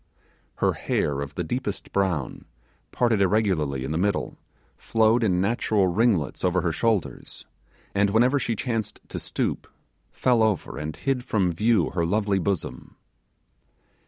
Her hair of the deepest brown, parted irregularly in the middle, flowed in natural ringlets over her shoulders, and whenever she chanced to stoop, fell over and hid from view her lovely bosom.